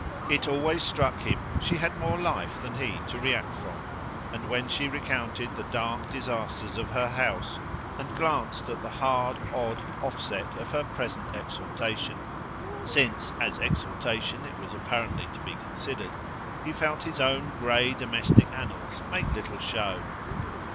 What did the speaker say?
It always struck him she had more life than he to react from, and when she recounted the dark disasters of her house and glanced at the hard odd offset of her present exaltation since as exaltation it was apparently to be considered he felt his own grey domestic annals make little show.